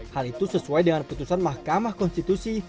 hal itu sesuai dengan putusan mahkamah konstitusi